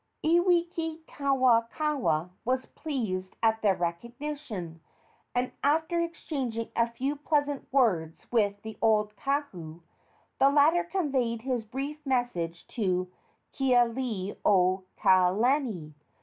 Iwikauikaua was pleased at the recognition, and, after exchanging a few pleasant words with the old kahu, the latter conveyed his brief message to Kealiiokalani.